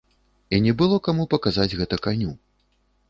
І не было каму паказаць гэта каню.